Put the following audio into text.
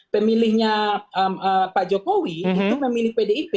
pemilihnya pak jokowi itu memilih pdip